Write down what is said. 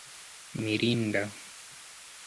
mirinda